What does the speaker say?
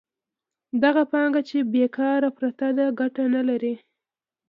دغه پانګه چې بېکاره پرته ده ګټه نلري